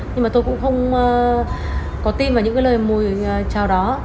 nhưng mà tôi cũng không có tin vào những lời mời trả lời đó